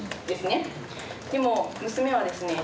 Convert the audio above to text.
でも娘はですね